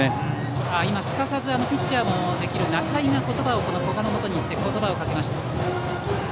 すかさず、ピッチャーもできる仲井が古賀のもとに行って言葉をかけました。